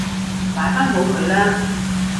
擺返好佢啦